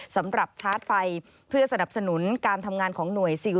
สำหรับชาร์จไฟเพื่อสนับสนุนการทำงานของหน่วยซิล